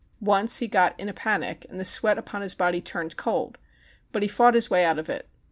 Once, he got in a panic, and the sweat upon his body turned cold; but he fought his way out of it.